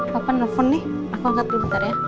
papa nelfon nih aku angkat dulu bentar ya